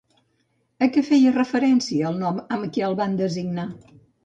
A què va referència el nom amb què el van designar?